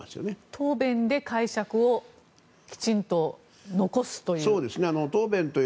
答弁で解釈をきちんと残すという。